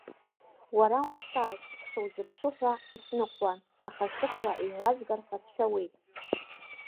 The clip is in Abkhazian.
Уара умсааит, ҳшузыԥшу ҳәа иснықәуан, аха сықәра еилазгар ҳәа сшәауеит!